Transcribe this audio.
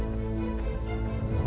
nanti aku akan datang